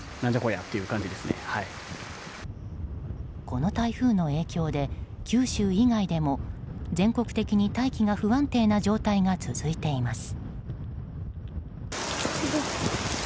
この台風の影響で九州以外でも全国的に大気が不安定な状態が続いています。